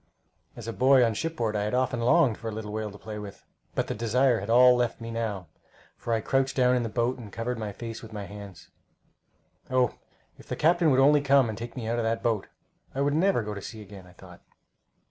As a boy on shipboard I had often longed for a little whale to play with, but the desire had all left me now, for I crouched down in the boat and covered my face with my hands. Oh, if the captain would only come and take me out of that boat! I would never go to sea again, I thought.